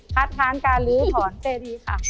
คัดค้างการรื้อถอนเจดีค่ะ